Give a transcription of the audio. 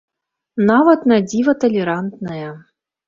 Нават на дзіва талерантная.